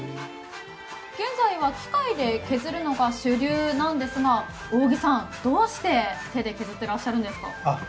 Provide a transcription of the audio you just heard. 現在は機械で削るのが主流なんですが、扇子さん、どうして手で削ってらっしゃるんですか？